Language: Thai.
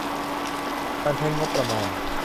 การใช้งบประมาณ